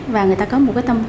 và người ta có một cái tâm